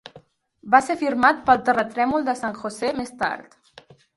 Va ser firmat pel terratrèmol de San José més tard.